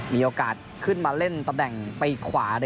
มีโอกาสขึ้นมาเล่นตำแหน่งปีกขวา